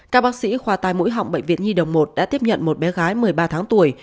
các bác sĩ khoa tai mũi họng bệnh viện nhi đồng một đã tiếp nhận một bé gái một mươi ba tháng tuổi